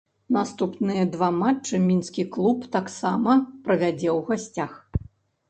Наступныя два матчы мінскі клуб таксама правядзе ў гасцях.